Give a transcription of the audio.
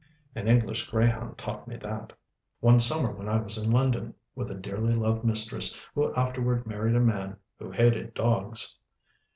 An English greyhound taught me that, one summer when I was in London, with a dearly loved mistress who afterward married a man who hated dogs.